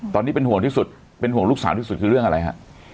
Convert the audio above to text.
ตอนนี้เป็นห่วงลูกสาวที่สุดคือเรื่องอะไรฮะ